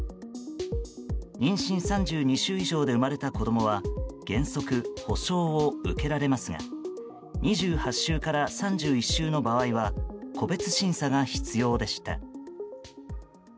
妊娠３２週以上で生まれた子供は原則、補償を受けられますが２８週から３１週の場合は個別審査が必要でした。